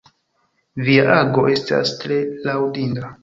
Via ago estas tre laŭdinda.